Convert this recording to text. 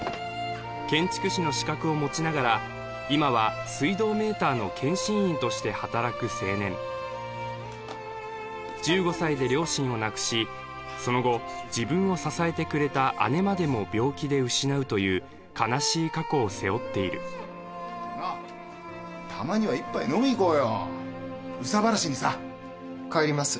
建築士の資格を持ちながら今は水道メーターの検針員として働く青年１５歳で両親を亡くしその後自分を支えてくれた姉までも病気で失うという悲しい過去を背負っているたまには一杯飲みに行こうよ憂さ晴らしにさ帰ります